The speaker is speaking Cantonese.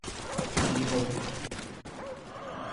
問號